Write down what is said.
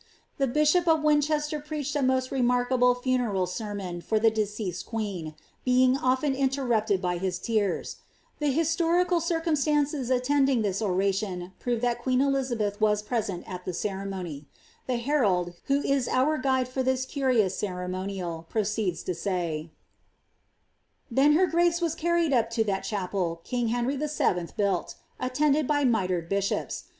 The biibop of Winehealer peechri n moet renwriuible fanenl eermon for the deeeeeed uneeni Ima^ elbi iotemipted by his tears ; the historical circametancee attendiny this on tioD prove that queen Elizabeth was present at the ceremony. The herald, who is our guide in this curious ceremonial, proceeds lo say— ' Then her grace was carried up lo that chapel king Henry VIL boiided, attended by mitred bishops.